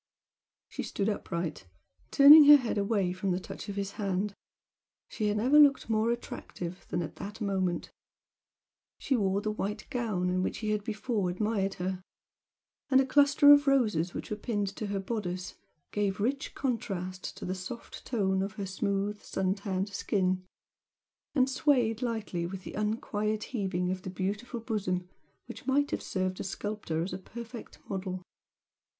She stood upright, turning her head away from the touch of his hand. She had never looked more attractive than at that moment, she wore the white gown in which he had before admired her, and a cluster of roses which were pinned to her bodice gave rich contrast to the soft tone of her smooth, suntanned skin, and swayed lightly with the unquiet heaving of the beautiful bosom which might have served a sculptor as a perfect model.